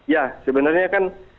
ya sebenarnya kan